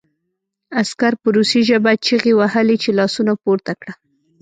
عسکر په روسي ژبه چیغې وهلې چې لاسونه پورته کړه